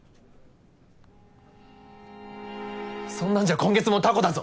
そんなんじゃ今月もタコだぞ！